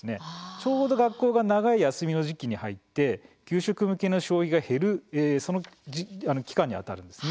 ちょうど、学校が長い休みの時期に入って給食向けの消費が減るその期間にあたるんです。